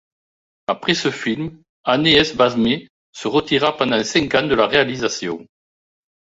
Après ce film, Anees Bazmee se retira pendant cinq ans de la réalisation.